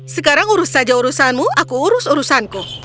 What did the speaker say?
sekarang urus saja urusanmu aku urus urusanku